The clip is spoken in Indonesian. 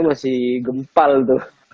masih gempal tuh